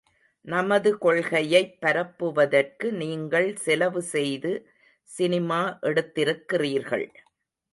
நமது கொள்கையைப் பரப்புவதற்கு நீங்கள் செலவு செய்து சினிமா எடுத்திருக்கிறீர்கள்.